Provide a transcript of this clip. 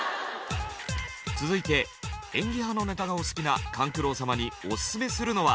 続いて演技派のネタがお好きな勘九郎様にオススメするのは。